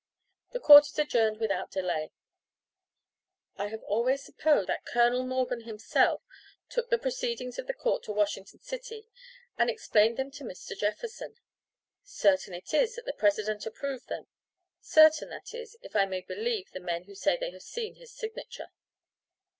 The Court is adjourned without day." I have always supposed that Colonel Morgan himself took the proceedings of the court to Washington city, and explained them to Mr. Jefferson. Certain it is that the President approved them certain, that is, if I may believe the men who say they have seen his signature.